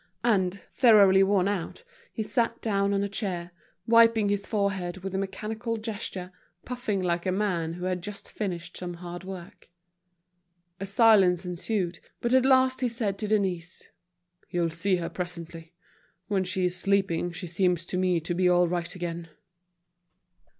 And, thoroughly worn out, he sat down on a chair, wiping his forehead with a mechanical gesture, puffing like a man who has just finished some hard work. A silence ensued, but at last he said to Denise: "You'll see her presently. When she is sleeping, she seems to me to be all right again."